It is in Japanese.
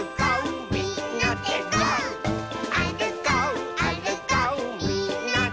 「あるこうあるこうみんなで」